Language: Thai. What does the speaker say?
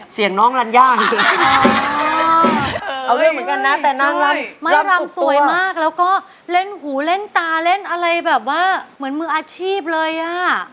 สวยตัวแล้วก็เล่นหูเล่นตาเล่นอะไรแบบว่าเหมือนมืออาชีพเลยอะ